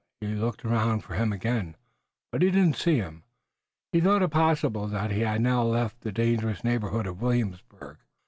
He looked around for him again, but he did not see him, and he thought it possible that he had now left the dangerous neighborhood of Williamsburg.